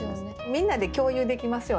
みんなで共有できますよね。